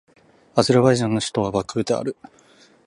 アゼルバイジャンの首都はバクーである